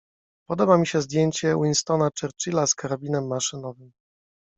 Podoba mi się zdjęcie Winstona Churchila z karabinem maszynowym.